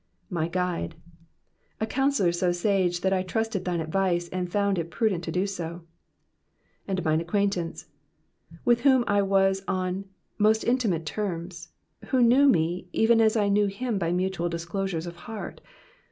Jfy guide,'''' a counseller so sage that I trusted thine advice and found it prudent to do so. ''And mine aequaintanee,^^ with whom I was on most intimate terms, who knew me even as I knew him by mutual disclosures of heart.